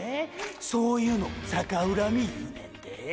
そういうの逆恨み言うねんでぇ？